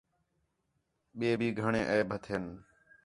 ٻئے بھی گھݨیں عیب ہتھین